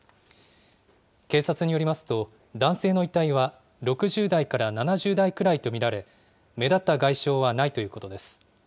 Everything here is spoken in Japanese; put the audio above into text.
警察によりますと、男性の遺体は６０代から７０代くらいと見られ、目立った外傷はないということです。